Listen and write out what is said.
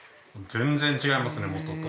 全然違いますね元と。